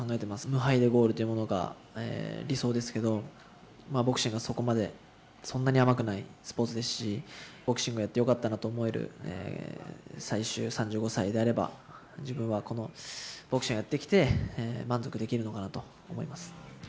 無敗でゴールというものが理想ですけど、ボクシングはそこまで、そんなに甘くないスポーツですし、ボクシングをやってよかったなと思える、最終、３５歳であれば、自分はこのボクシングをやってきて、満足できるのかなと思います。